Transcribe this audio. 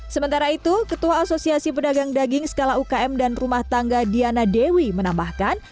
sementara itu ketua asosiasi pedagang daging skala ukm dan rumah tangga diana dewi menambahkan